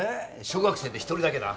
小学生で１人だけだ。